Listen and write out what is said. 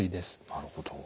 なるほど。